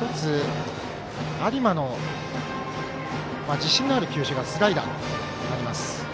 １つ、有馬の自信のある球種がスライダーとなります。